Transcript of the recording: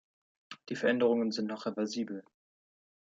Die Veränderungen sind noch reversibel.